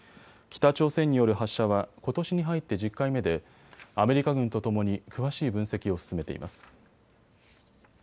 北朝鮮による発射はことしに入って１０回目でアメリカ軍とともに詳しい分析を進めています。